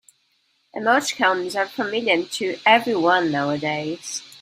Emoticons are familiar to everyone nowadays.